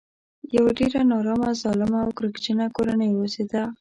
یوه ډېره نارامه ظالمه او کرکجنه کورنۍ اوسېده.